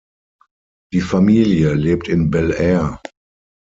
Die Familie lebt in Bel Air.